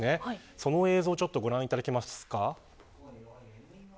その映像をご覧いただけますか。